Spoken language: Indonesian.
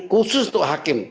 khusus untuk hakim